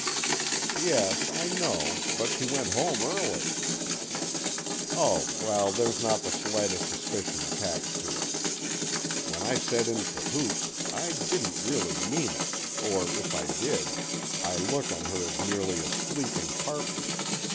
"Yes, I know, but she went home early." "Oh, well, there's not the slightest suspicion attached to her. When I said in cahoots, I didn't really mean it, or, if I did, I look on her as merely a sleeping partner.